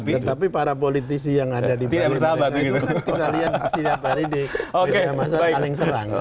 tetapi para politisi yang ada di balik balik itu kalian setiap hari di bdm masa saling serang